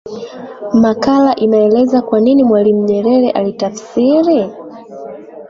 makala inaeleza kwa nini Mwalimu Nyerere alitafsiri